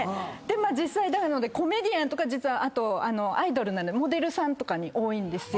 実際コメディアンとかあとアイドルなんでモデルさんとかに多いんですよ。